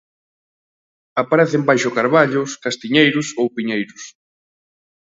Aparecen baixo carballos, castiñeiros ou piñeiros.